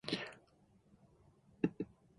アストゥリアス県の県都はオビエドである